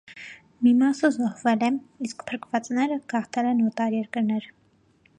Մի մասը զոհվել է, իսկ փրկվածները գաղթել են օտար երկրներ։